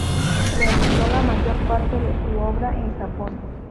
Realizó la mayor parte de su obra en Japón.